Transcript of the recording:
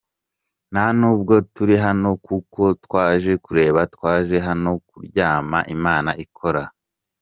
Nta n’ubwo turi hano kuko twaje kureba, twaje hano kuramya Imana ikora